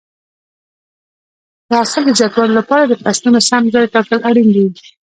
د حاصل د زیاتوالي لپاره د فصلونو سم ځای ټاکل اړین دي.